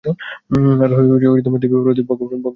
আর দেবী পার্বতী, ভগবান কার্তিকের মা।